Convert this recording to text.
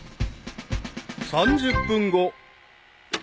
［３０分後］